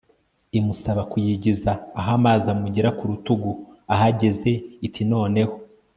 imusaba kuyigiza aho amazi amugera ku ntugu! ahageze iti noneho